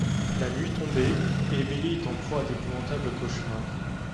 La nuit tombée, Emilie est en proie à d’épouvantables cauchemars.